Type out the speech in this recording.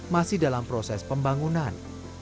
masih dalam proses pembangunan